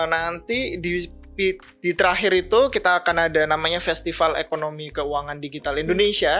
nanti di terakhir itu kita akan ada namanya festival ekonomi keuangan digital indonesia